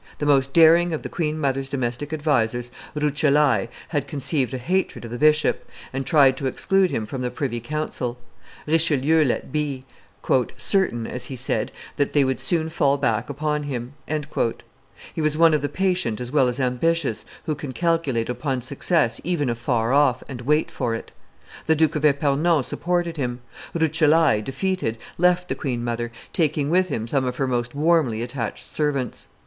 The most daring, of the queen mother's domestic advisers, Ruccellai, had conceived a hatred of the bishop, and tried to exclude him from the privy council. Richelieu let be, "Certain," as he said, "that they would soon fall back upon him." He was one of the patient as well as ambitious, who can calculate upon success, even afar off, and wait for it. The Duke of Epernon supported him; Ruccellai, defeated, left the queen mother, taking with him some of her most warmly attached servants.